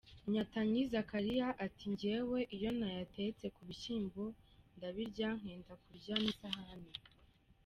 Nyatanyi Zakariya ati: “Jyewe iyo nayatetse ku bishyimbo, ndabirya nkenda kurya n’isahane!”.